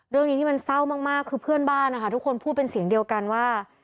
เรื่องนี้ที่มันเศร้ามากคือเพื่อนบ้านนะคะทุกคนพูดเป็นเสียงเดียวกันว่า